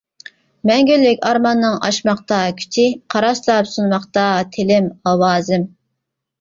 مەڭگۈلۈك ئارماننىڭ ئاشماقتا كۈچى، قاراسلاپ سۇنماقتا تىلىم، ئاۋازىم.